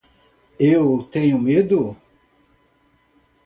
Eu tenho medo.